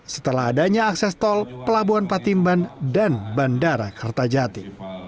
setelah adanya akses tol pelabuhan patimban dan bandara kertajati